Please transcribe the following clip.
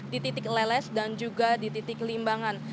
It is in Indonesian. di titik leles dan juga di titik limbangan